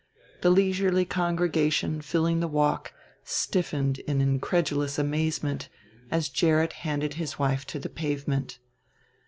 The leisurely congregation filling the walk stiffened in incredulous amazement as Gerrit handed his wife to the pavement.